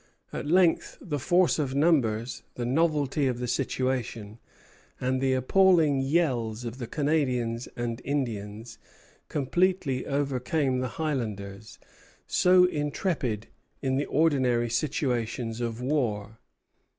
At length the force of numbers, the novelty of the situation, and the appalling yells of the Canadians and Indians, completely overcame the Highlanders, so intrepid in the ordinary situations of war.